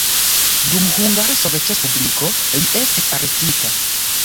Dum Hungara Sovetrespubliko li estis arestita.